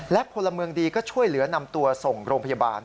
และพลเมืองดีก็ช่วยเหลือนำตัวส่งโรงพยาบาล